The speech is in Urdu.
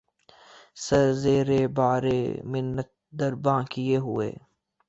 سر زیرِ بارِ منت درباں کیے ہوئے